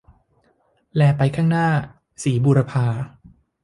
แลไปข้างหน้า - ศรีบูรพา